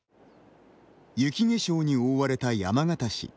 雪化粧におおわれた山形市。